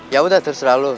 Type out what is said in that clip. ya udah terserah lo